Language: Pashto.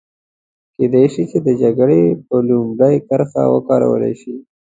کېدای شي چې د جګړې په لومړۍ کرښه وکارول شي.